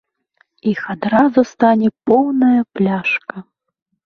Іх адразу стане поўная пляшка.